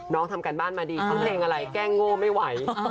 ทำการบ้านมาดีทั้งเพลงอะไรแก้งโง่ไม่ไหว